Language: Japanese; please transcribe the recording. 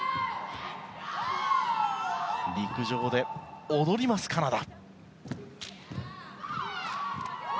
陸上で踊ります、カナダ。